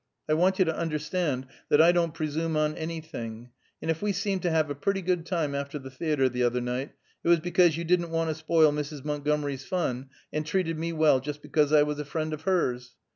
I want you to understand that I don't presume on anything, and if we seemed to have a pretty good time after the theatre, the other night, it was because you didn't want to spoil Mrs. Montgomery's fun, and treated me well just because I was a friend of hers.